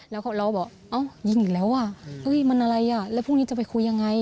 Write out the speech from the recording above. แล้วเขาเล่าบอกอ้าวยิงอีกแล้วมันอะไรแล้วพรุ่งนี้จะไปคุยยังไง